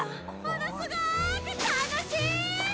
「ものすごく楽しい！」